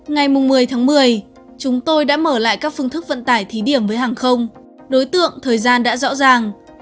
ngày một mươi tháng một mươi chúng tôi đã mở lại các phương thức vận tải thí điểm với hàng không đối tượng thời gian đã rõ ràng